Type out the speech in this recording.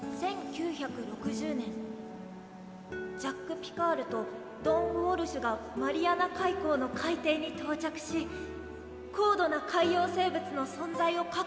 「１９６０年ジャック・ピカールとドン・ウォルシュがマリアナ海溝の海底に到着し高度な海洋生物の存在を確認した」。